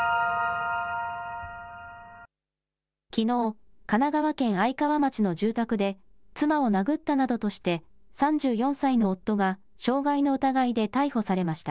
きのう、神奈川県愛川町の住宅で、妻を殴ったなどとして、３４歳の夫が傷害の疑いで逮捕されました。